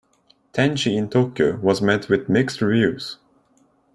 "Tenchi in Tokyo" was met with mixed reviews.